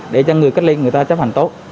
để cho người cách ly người ta chấp hành tốt